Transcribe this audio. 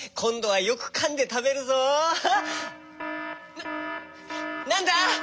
ななんだ？